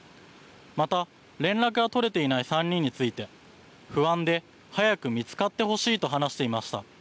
また連絡が取れていない３人について、不安で早く見つかってほしいと話していました。